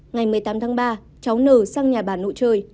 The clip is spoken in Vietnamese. ngày một mươi tám tháng ba cháu nở sang nhà bà nội chơi